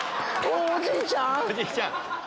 おじいちゃん⁉